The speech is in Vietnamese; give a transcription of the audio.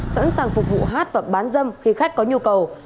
sẵn sàng phục vụ hát và bán dâm khi khách có nhu cầu